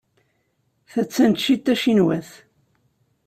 Ta d taneččit tacinwat.